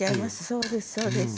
そうですそうです。